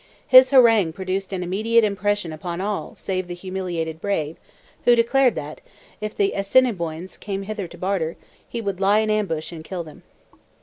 His harangue produced an immediate impression upon all save the humiliated brave, who declared that, if the Assiniboines came hither to barter, he would lie in ambush and kill them.